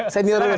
saya nilai dulu